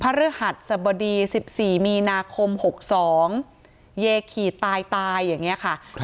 ภรรยหัสสบดีสิบสี่มีนาคมหกสองเยขีดตายตายอย่างเงี้ยค่ะครับ